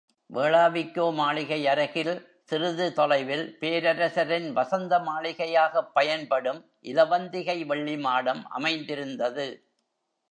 வேளாவிக்கோ மாளிகையருகில் சிறிது தொலைவில் பேரரசரின் வசந்த மாளிகையாகப் பயன்படும் இலவந்திகை வெள்ளிமாடம் அமைந்திருந்தது.